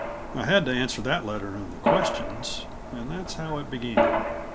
I had to answer that letter and the questions and that's how it began.